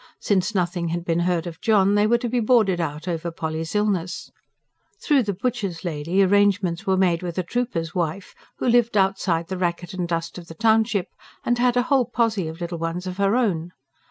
Since nothing had been heard of John, they were to be boarded out over Polly's illness. Through the butcher's lady, arrangements were made with a trooper's wife, who lived outside the racket and dust of the township, and had a whole posse of little ones of her own.